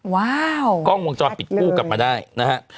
ว้าวกล้องวงจรปิดคู่กลับมาได้นะฮะ